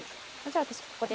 じゃあ私